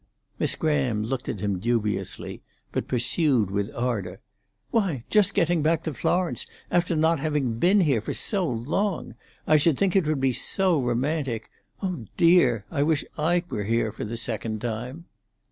Miss Graham looked at him dubiously, but pursued with ardour: "Why, just getting back to Florence, after not having been here for so long—I should think it would be so romantic. Oh dear! I wish I were here for the second time."